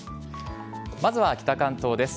まずは北関東です。